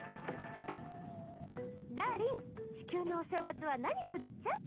ダーリン地球のお正月は何するっちゃ？